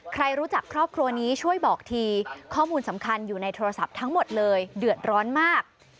ใครรู้จักครอบครัวนี้ช่วยบอกทีข้อมูลสำคัญอยู่ในโทรศัพท์ทั้งหมดเลยเดือดร้อนมาก